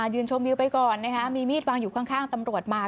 ยืนชมวิวไปก่อนมีมีดวางอยู่ข้างตำรวจมา